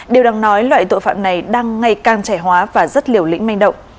điều đáng nói loại tội phạm này đang ngày càng trẻ hóa và rất liều lĩnh manh động